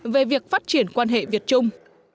về việc phát triển quan hệ việt trung